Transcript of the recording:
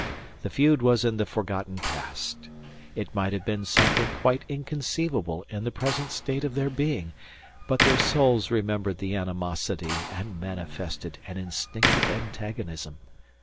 The feud was in the forgotten past. It might have been something quite inconceivable in the present state of their being; but their souls remembered the animosity and manifested an instinctive antagonism.